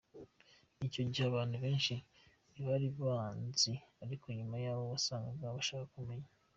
Icyo gihe abantu benshi ntibari banzi ariko nyuma yawo wasangaga bashaka kumenya .